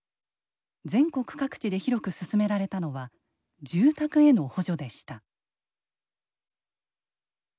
全国各地で広く進められたのは住宅への補助でした。